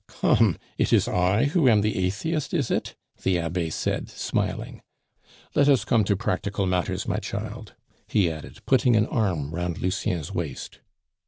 "Come! it is I who am the atheist, is it?" the Abbe said, smiling. "Let us come to practical matters, my child," he added, putting an arm round Lucien's waist.